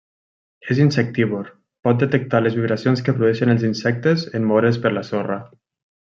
És insectívor, pot detectar les vibracions que produeixen els insectes en moure's per la sorra.